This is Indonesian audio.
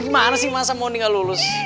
gimana sih malu malaysia lulus